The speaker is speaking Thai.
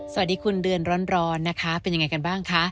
สวัสดีคุณเดือนร้อนนะคะเป็นยังไงกันบ้างคะ